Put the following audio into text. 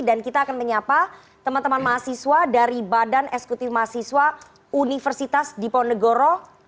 dan kita akan menyapa teman teman mahasiswa dari badan eksekutif mahasiswa universitas diponegoro